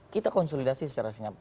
kita konsolidasi secara senyap